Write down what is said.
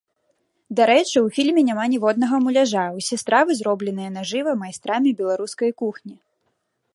Дарэчы, у фільме няма ніводнага муляжа, усе стравы зробленыя нажыва майстрамі беларускай кухні!